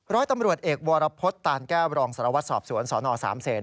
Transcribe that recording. ร้อยตำรวจเอกวรพฤษตานแก้วรองสระวัดสอบสวนศร๓เสน